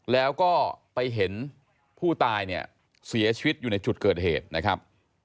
แล้วก็ไปเห็นผู้ตายเนี่ยเสียชีวิตอยู่ในจุดเกิดเหตุนะครับ